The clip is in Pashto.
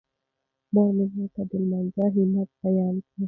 مور مې ماته د لمانځه اهمیت بیان کړ.